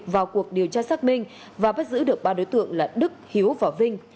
vào cuộc điều tra xác minh và bắt giữ được ba đối tượng là đức hiếu và vinh